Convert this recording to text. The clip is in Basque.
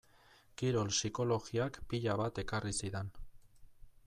Kirol psikologiak pila bat ekarri zidan.